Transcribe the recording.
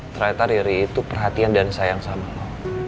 ternyata riri itu perhatian dan sayang sama allah